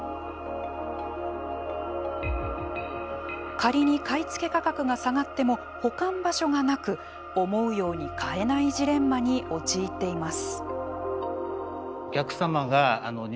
仮に買い付け価格が下がっても保管場所がなく思うように買えないジレンマに陥っています。